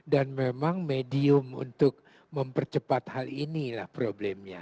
dan memang medium untuk mempercepat hal ini lah problemnya